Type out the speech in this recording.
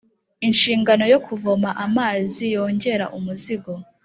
inshingano yo kuvoma amazi yongera umuzigo